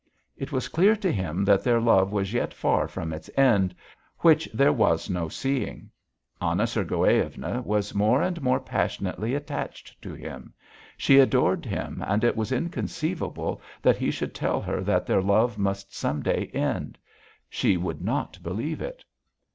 It was clear to him that their love was yet far from its end, which there was no seeing. Anna Sergueyevna was more and more passionately attached to him; she adored him and it was inconceivable that he should tell her that their love must some day end; she would not believe it.